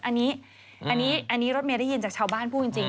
อันนี้รถเมย์ได้ยินจากชาวบ้านพูดจริง